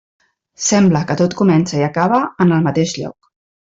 Sembla que tot comença i acaba en el mateix lloc.